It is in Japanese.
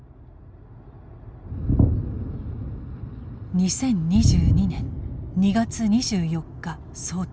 ２０２２年２月２４日早朝。